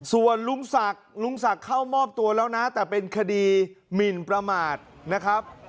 ส่วนลุงศักดิ์ลุงศักดิ์เข้ามอบตัวแล้วนะแต่เป็นคดีหมินประมาทนะครับ